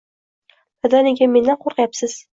Dada nega mendan qo‘rqyapsiz?